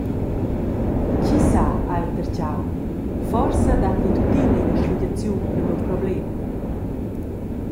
Tgisà, ha el tertgau, forsa dat ei tuttina ina sligiaziun per miu problem.